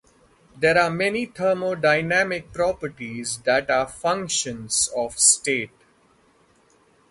There are many thermodynamic properties that are functions of state.